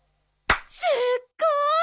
すっごい！